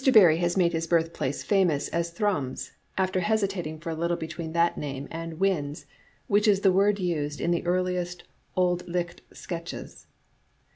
Barrie has made his birth place famous as Thrums, after hesitating for a little between that name and Whins, which is the word used in the earliest Auld Licht sketches.